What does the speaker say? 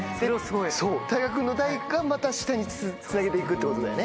で大我君の代がまた下につなげて行くってことだよね。